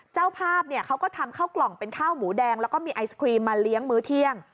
เจ้าภาพเขาก็ทำข้าวกล่องเป็นข้าวหมูแดงแล้วก็มีไอศครีมมาเลี้ยงมื้อเที่ยง